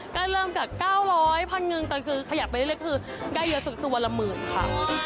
ก็เริ่มกับ๙๐๐๐๐๐บาทเงินแต่คือขยับไปได้เร็วคือใกล้เยอะสุดคือวันละหมื่นค่ะ